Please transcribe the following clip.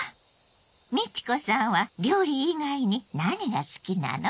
美智子さんは料理以外に何が好きなの？